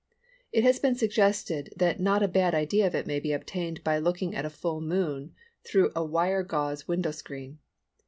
It has been suggested that not a bad idea of it may be obtained by looking at a Full Moon through a wire gauze window screen.